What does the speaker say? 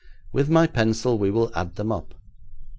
With my pencil we will add them up.